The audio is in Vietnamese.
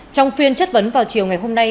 trong phiên chất vấn vào chiều ngày hôm nay